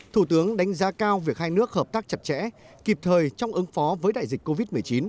thủ tướng đánh giá cao việc hai nước hợp tác chặt chẽ kịp thời trong ứng phó với đại dịch covid một mươi chín